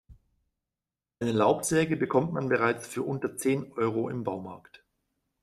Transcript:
Eine Laubsäge bekommt man bereits für unter zehn Euro im Baumarkt.